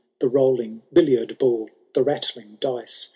The rolling hilliard ball, the rattling dice.